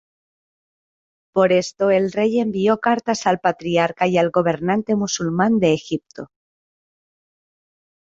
Por esto el rey envió cartas al Patriarca y al gobernante musulmán de Egipto.